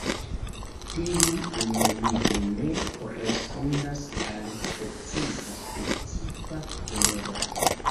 Tiu nomigo ne korespondas al preciza specifa koloro.